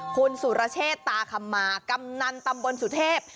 คุณสุรเชษตาคำมากำนันตำบลสุเทพ